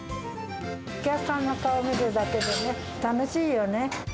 お客さんの顔見るだけでね、楽しいよね。